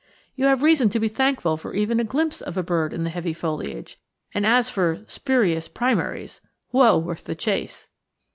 You have reason to be thankful for even a glimpse of a bird in the heavy foliage, and as for 'spurious primaries,' "Woe worth the chase!"